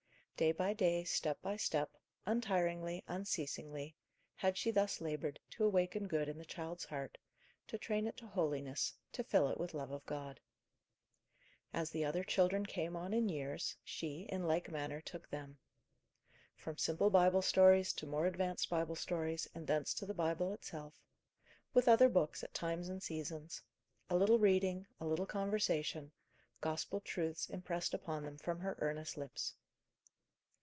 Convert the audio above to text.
Day by day, step by step, untiringly, unceasingly, had she thus laboured, to awaken good in the child's heart, to train it to holiness, to fill it with love of God. As the other children came on in years, she, in like manner, took them. From simple Bible stories to more advanced Bible stories, and thence to the Bible itself; with other books at times and seasons: a little reading, a little conversation, Gospel truths impressed upon them from her earnest lips.